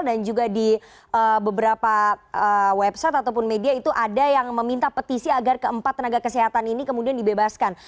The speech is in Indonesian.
dan juga di beberapa website ataupun media itu ada yang meminta petisi agar keempat tenaga kesehatan ini kemudian dibebaskan